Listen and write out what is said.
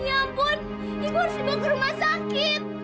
ya ampun ibu harus dibawa ke rumah sakit